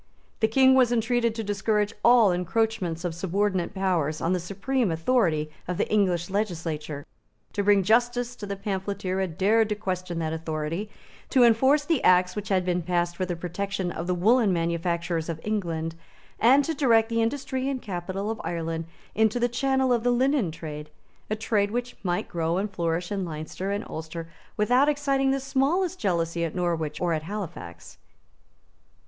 The King was entreated to discourage all encroachments of subordinate powers on the supreme authority of the English legislature, to bring to justice the pamphleteer who had dared to question that authority, to enforce the Acts which had been passed for the protection of the woollen manufactures of England, and to direct the industry and capital of Ireland into the channel of the linen trade, a trade which might grow and flourish in Leinster and Ulster without exciting the smallest jealousy at Norwich or at Halifax.